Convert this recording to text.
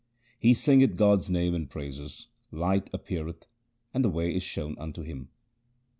He singeth God's name and praises, light appeareth, and the way is shown unto him.